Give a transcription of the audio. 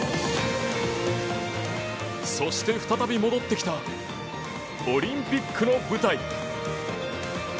そして再び戻ってきたオリンピックの舞台。